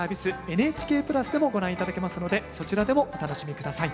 ＮＨＫプラスでもご覧頂けますのでそちらでもお楽しみ下さい。